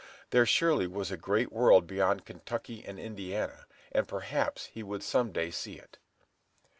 There surely was a great world beyond Kentucky and Indiana, and perhaps he would some day see it.